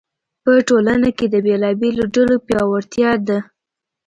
په ټولنه کې د بېلابېلو ډلو پیاوړتیا ده.